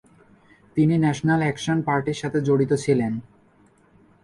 তিনি National Action পার্টির সাথে জড়িত ছিলেন।